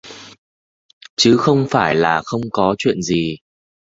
Chứ không phải là không có chuyện gì